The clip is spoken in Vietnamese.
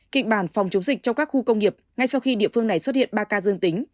kịch bản phòng chống dịch trong các khu công nghiệp ngay sau khi địa phương này xuất hiện ba ca dương tính